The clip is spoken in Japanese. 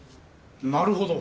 なるほど。